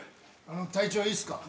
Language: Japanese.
あの隊長いいっすか？